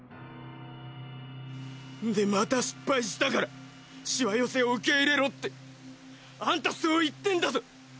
んでまた失敗したからしわ寄せを受け入れろってあんたそう言ってんだぞ！？